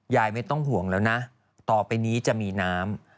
ไม่ต้องห่วงแล้วนะต่อไปนี้จะมีน้ำ